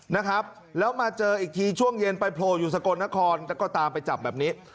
นะครับแล้วมาเจออีกทีช่วงเย็นไปโผล่อยู่สกลนครแล้วก็ตามไปจับแบบนี้